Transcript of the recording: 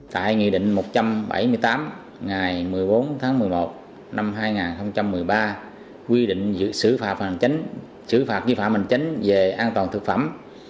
tại nghị định một trăm bảy mươi tám ngày một mươi bốn tháng một mươi một năm hai nghìn một mươi ba quy định giữ xử phạt vi phạm hành chánh về an toàn thực phẩm